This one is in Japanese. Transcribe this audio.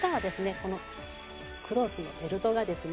このクロスのベルトがですね